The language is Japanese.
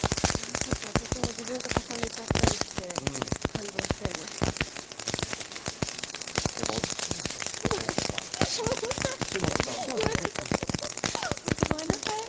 ちょっと私も自分と重ねちゃったりして岸本さんも。本当ごめんなさい。